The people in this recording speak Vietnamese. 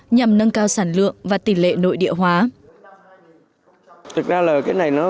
nhằm nâng cao sản lượng và tỷ lệ nội địa hóa